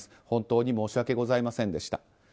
本当に申し訳ございませんでした。